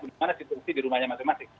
dimana situasi di rumahnya masif masif